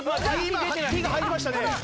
今Ｔが入りましたね。